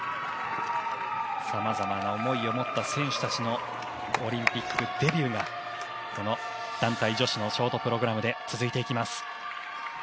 さまざまな思いを持った選手たちのオリンピックデビューがこの団体女子のショートプログラムで続いていきます。